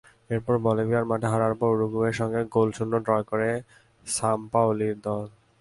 এরপর বলিভিয়ার মাঠে হারের পর উরুগুয়ের সঙ্গে গোলশূন্য ড্র করে সাম্পাওলির দল।